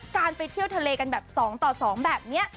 การไปเที่ยวทะเลกันแบบ๒ต่อ๒แบบนี้